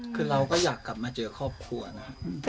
คือเราก็อยากกลับมาเจอครอบครัวนะ